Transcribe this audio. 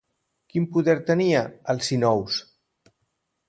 Quin poder tenia, Alcínous?